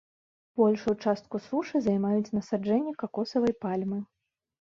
Большую частку сушы займаюць насаджэнні какосавай пальмы.